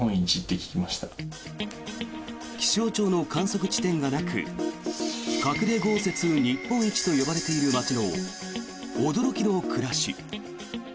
気象庁の観測地点がなく隠れ豪雪日本一と呼ばれている町の驚きの暮らし。